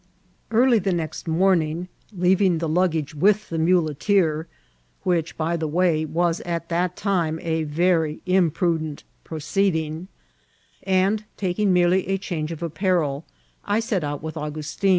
Early the next morning, leaving the luggage with the muleteer (which, by the way, was at that time a very imprudent proceeding), and taking merely a change of apparel, I set out with Augustin.